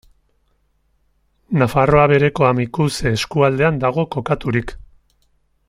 Nafarroa Behereko Amikuze eskualdean dago kokaturik.